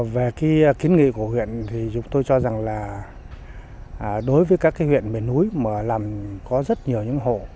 về cái kiến nghị của huyện thì chúng tôi cho rằng là đối với các cái huyện miền núi mà làm có rất nhiều những hộ